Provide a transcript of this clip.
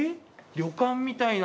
旅館みたいな。